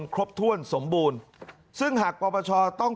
คุณสิริกัญญาบอกว่า๖๔เสียง